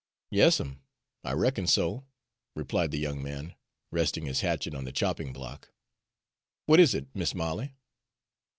"Yas 'm, I reckon so," replied the young man, resting his hatchet on the chopping block. "W'at is it, Mis' Molly?"